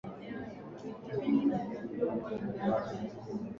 kwa kuweza kuzungumza nasi na kutupa utathimini kuhusu ligi kuu ya soka nchini humo